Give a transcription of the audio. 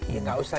ya gak usah